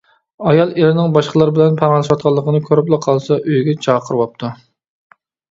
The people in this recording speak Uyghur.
ئايال ئېرىنىڭ باشقىلار بىلەن پاراڭلىشىۋاتقانلىقىنى كۆرۈپلا قالسا، ئۆيگە چاقىرىۋاپتۇ.